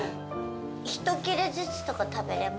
一切れずつとか食べれます？